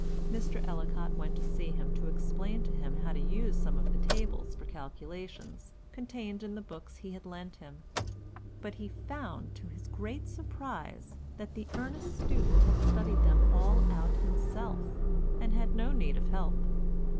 Mr. Ellicott went to see him to explain to him how to use some of the tables for calculations contained in the books he had lent him; but he found, to his great surprise, that the earnest student had studied them all out himself, and had no need of help.